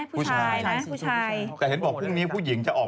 พุชายใช่ไหม